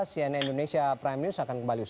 cnn indonesia prime news akan kembali usai